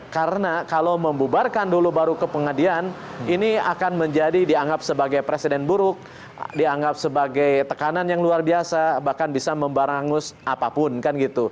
karena kalau membubarkan dulu baru kepengadian ini akan menjadi dianggap sebagai presiden buruk dianggap sebagai tekanan yang luar biasa bahkan bisa membarangus apapun kan gitu